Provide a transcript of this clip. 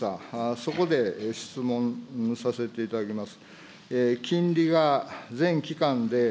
そこで質問させていただきます。